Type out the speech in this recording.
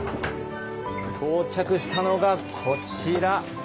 到着したのがこちら。